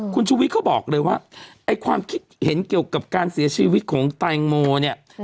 คุณชุวิตเขาบอกเลยว่าไอ้ความคิดเห็นเกี่ยวกับการเสียชีวิตของแตงโมเนี่ย